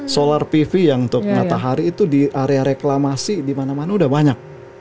solar pv yang untuk matahari itu di area reklamasi di mana mana udah banyak